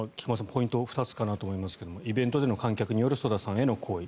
ポイント２つかなと思いますがイベントでの観客によるＳＯＤＡさんへの行為。